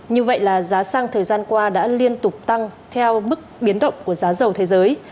như vậy là giá xăng thời gian qua đã liên tục tăng theo mức biến động của giá dầu thế giới